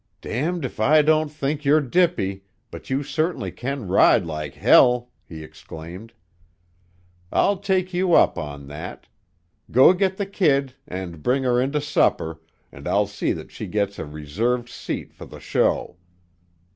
"D d if I don't think you're dippy, but you certainly can ride like h l!" he exclaimed. "I'll take you up on that; go get the kid and bring her in to supper, and I'll see that she gets a reserved seat for the show.